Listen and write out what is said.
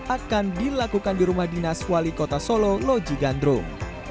akan dilakukan di rumah dinas wali kota solo loji gandrung